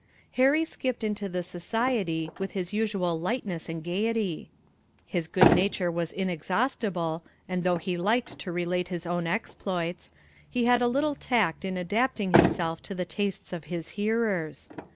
Harry skipped into this society with his usual lightness and gaiety. His good nature was inexhaustible, and though he liked to relate his own exploits, he had a little tact in adapting himself to the tastes of his hearers.